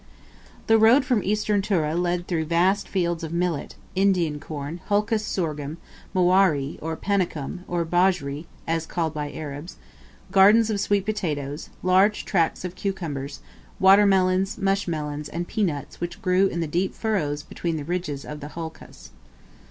The road from Eastern Tura led through vast fields of millet, Indian corn, holcus sorghum, maweri, or panicum, or bajri, as called by the Arabs; gardens of sweet potatoes, large tracts of cucumbers, water melons, mush melons, and pea nuts which grew in the deep furrows between the ridges of the holcus.